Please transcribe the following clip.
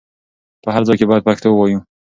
په هر ځای کې بايد پښتو ووايو.